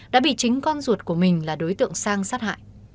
đã bị chính con ruột của mình là đối tượng sang sát hại